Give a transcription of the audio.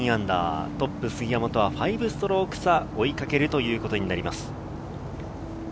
トップ杉山とは５ストローク差、追いかけるということになります。